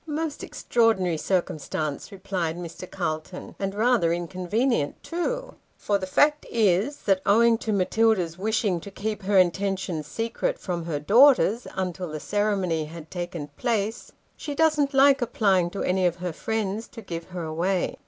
" Most extraordinary circumstance !" replied Mr. Calton, " and rather inconvenient too ; for the fact is, that owing to Matilda's wish ing to keep her intention secret from her daughters until the ceremony had taken place, she doesn't like applying to any of her friends to give her away.